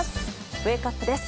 ウェークアップです。